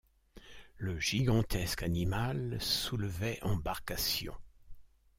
Le gigantesque animal soulevait embarcation.